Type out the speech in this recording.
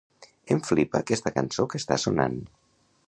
Em flipa aquesta cançó que està sonant.